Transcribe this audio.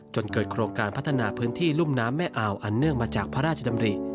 จนเกิดโครงการพัฒนาพื้นที่รุ่มน้ำแม่อาวอันเนื่องมาจากพระราชดำริ